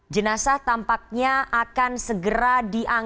jenazah tampaknya akan segera diangkat